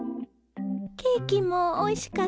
ケーキもおいしかったわね。